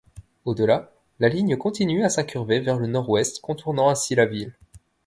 Au-delà, la ligne continue à s'incurver vers le nord-ouest, contournant ainsi la ville.